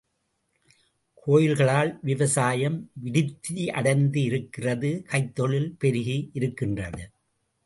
கோயில்களால் விவசாயம் விருத்தியடைந்திருக்கிறது.. கைத்தொழில் பெருகியிருக்கின்றது.